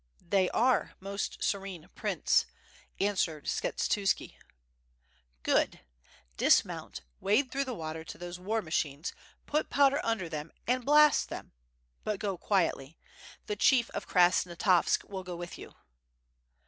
'' "They are, Most Serene Prince," answered Skshetuski, "Good! Dismount, wade through the water to those war machines, put powder under them, and blast them; but go quietly. The Chief of Krasnostavsk will go with you."